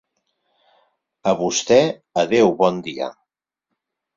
A vostè, adéu bon dia.